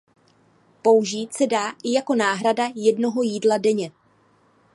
Použít se dá i jako náhrada jednoho jídla denně.